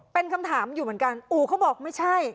เป็นคำถามอยู่เหมือนกันอู่เขาบอกไม่ใช่